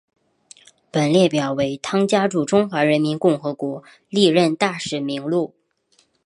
本列表为汤加驻中华人民共和国历任大使名录。